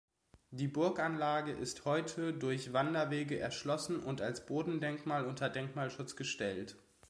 Die Burganlage ist heute durch Wanderwege erschlossen und als Bodendenkmal unter Denkmalschutz gestellt.